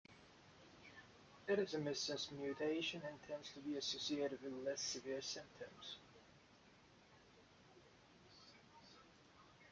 It is a missense mutation and tends to be associated with less severe symptoms.